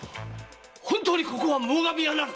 本当にここは最上屋なのか⁉〕